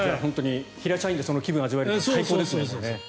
平社員でその気分を味わえて最高ですね、もうね。